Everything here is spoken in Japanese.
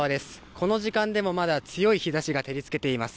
この時間でもまだ強い日ざしが照りつけています。